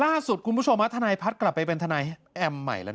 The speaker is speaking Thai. ล่าสุดคุณผู้ชมทนายพัฒน์กลับไปเป็นทนายแอมใหม่แล้ว